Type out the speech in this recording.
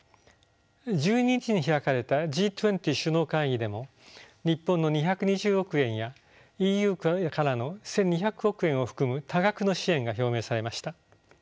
１２日に開かれたＧ２０首脳会議でも日本の２２０億円やＥＵからの１，２００億円を含む多額の支援が表明されました。